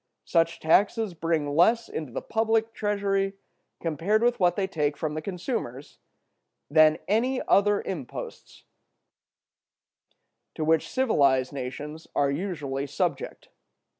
Such taxes bring less into the public treasury, compared with what they take from the consumers, than any other imposts to which civilized nations are usually subject.